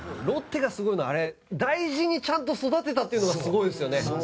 ロッテがすごいのはあれ大事にちゃんと育てたっていうのがすごいですよね。